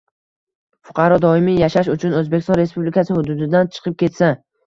Fuqaro doimiy yashash uchun O‘zbekiston Respublikasi hududidan chiqib ketsa